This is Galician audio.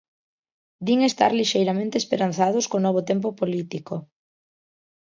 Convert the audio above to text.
Din estar lixeiramente esperanzados co novo tempo político.